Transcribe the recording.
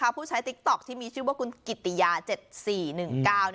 ละเป็นแนะและรอยข่วน